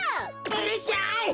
うるしゃい！